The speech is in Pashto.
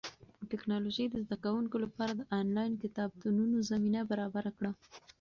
ټیکنالوژي د زده کوونکو لپاره د انلاین کتابتونونو زمینه برابره کړه.